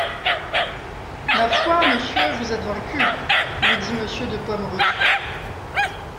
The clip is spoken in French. Ma foi, monsieur, vous êtes vaincu, lui dit Monsieur de Pomereux.